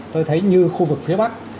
tôi thấy như khu vực phía bắc